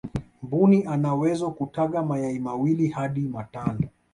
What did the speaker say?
mbuni anawezo kutaga mayai mawili hadi matano